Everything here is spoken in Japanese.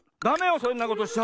そんなことしちゃ。